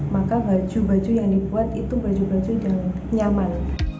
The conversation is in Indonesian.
maka baju baju yang dibuat itu baju baju yang nyaman